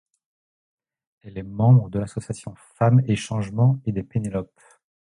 Elle est membre de l’association Femmes et Changement et des Pénélopes.